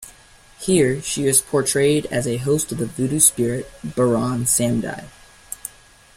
Here, she is portrayed as a host of the Voodoo spirit Baron Samedi.